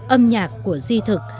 âm nhạc của di thực